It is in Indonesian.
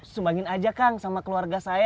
sumbangin aja kang sama keluarga saya